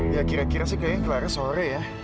ya kira kira sih kayaknya gelarnya sore ya